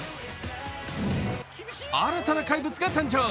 新たな怪物が誕生。